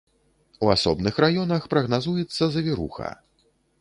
У асобных раёнах прагназуецца завіруха.